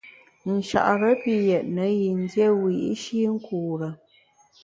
Nchare pi yètne yin dié wiyi’shi nkure.